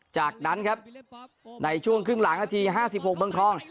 จากนั้นครับในช่วงครึ่งหลังนาที๕๖เมืองทอง